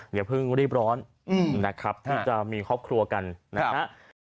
อย่าเพิ่งรีบร้อนนะครับที่จะมีครอบครัวกันนะฮะ